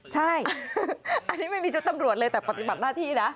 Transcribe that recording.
ใช่อันนี้ไม่มีชุดตำรวจเลยแต่ปฏิบัติหน้าที่นะ